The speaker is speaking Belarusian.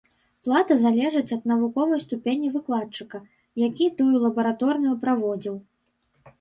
Плата залежыць ад навуковай ступені выкладчыка, які тую лабараторную праводзіў.